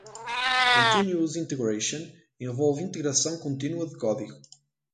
Continuous Integration envolve integração contínua de código.